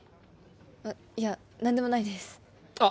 いや何でもないですあっ